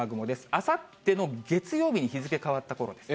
あさっての月曜日に日付変わったころです。